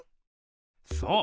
そう。